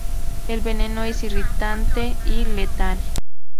El veneno es irritante y letal.